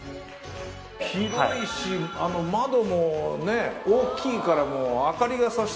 広いし窓もね大きいからもう明かりが差して。